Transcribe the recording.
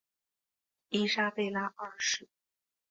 伊莎贝拉二世。